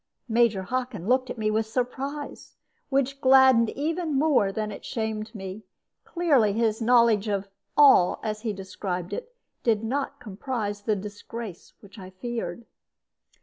Major Hockin looked at me with surprise, which gladdened even more than it shamed me. Clearly his knowledge of all, as he described it, did not comprise the disgrace which I feared.